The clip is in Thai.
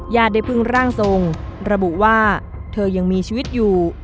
ได้พึ่งร่างทรงระบุว่าเธอยังมีชีวิตอยู่